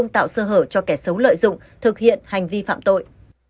tạo sơ hở cho kẻ xấu lợi dụng thực hiện hành vi phạm tội